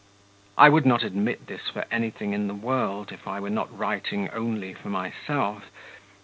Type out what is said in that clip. I would not admit this for anything in the world, if I were not writing only for myself....